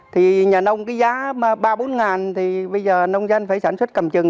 thì nhà nông cái giá ba bốn ngàn thì bây giờ nông doanh phải sản xuất cầm chừng